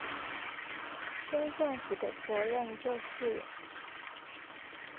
新政府的責任就是